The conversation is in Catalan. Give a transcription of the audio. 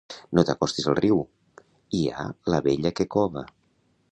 No t'acostis al niu: hi ha la vella que cova.